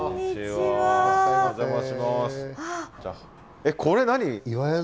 えっこれ何？